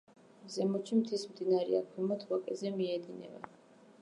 ზემოთში მთის მდინარეა, ქვემოთ ვაკეზე მიედინება.